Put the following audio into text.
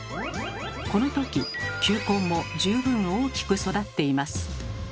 このとき球根も十分大きく育っています。